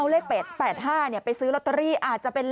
เลขอะไรจ๊ะ